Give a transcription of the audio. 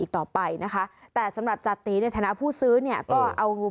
ต่อไปนะคะแต่สำหรับจติในฐานะผู้ซื้อเนี่ยก็เอา